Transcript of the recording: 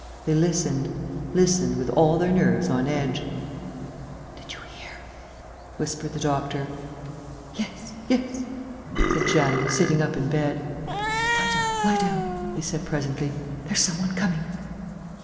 They listened, listened, with all their nerves on edge: "Did you hear?" whispered the doctor. "Yes ... yes," said Jeanne, sitting up in bed. "Lie down ... lie down," he said, presently. "There's some one coming."